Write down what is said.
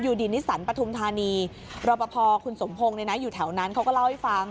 ดินนิสันปฐุมธานีรอปภคุณสมพงศ์เนี่ยนะอยู่แถวนั้นเขาก็เล่าให้ฟัง